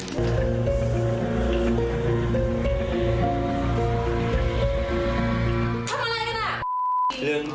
ทำอะไรกันล่ะ